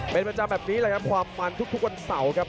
เป็นประจำแบบนี้เลยครับความมันทุกวันเสาร์ครับ